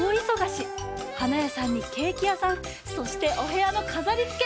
はなやさんにケーキやさんそしておへやのかざりつけ！